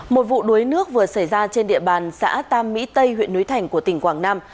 một vụ đuối nước vừa xảy ra trên địa bàn xã tam mỹ tây huyện núi thành của tỉnh quảng nam